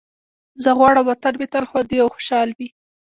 زه غواړم وطن مې تل خوندي او خوشحال وي.